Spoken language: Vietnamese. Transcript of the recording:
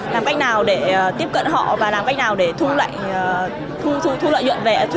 làm cách nào để tiếp cận họ và làm cách nào để thu lợi nhuận về